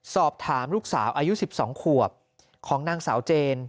สอบถามลูกสาวอายุ๑๒ขวบของนางสาวเจน